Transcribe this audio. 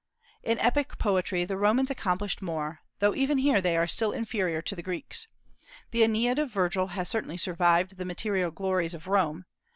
In epic poetry the Romans accomplished more, though even here they are still inferior to the Greeks. The Aeneid of Virgil has certainly survived the material glories of Rome.